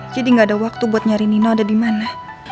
jadi gak ada waktu buat nyari nino ada di mana